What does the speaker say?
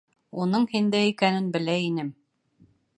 Уның һиндә икәнен белә инем.